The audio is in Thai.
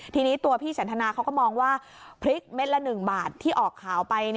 ทีนี้ตัวพี่สันทนาเขาก็มองว่าพริกเม็ดละ๑บาทที่ออกข่าวไป